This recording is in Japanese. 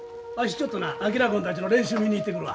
ちょっとな昭君たちの練習見に行ってくるわ。